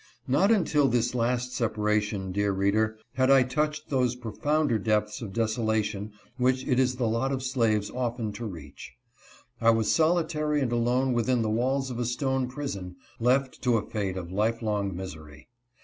Not until this last separation, dear reader had T touched those proiounder depths of desolation which it is the lot of slaVeiTof teiPEoTeach . I was solitary and alone within the walls of a stone prison, left to a fate of life ^ long misery.